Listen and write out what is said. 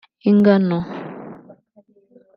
ingano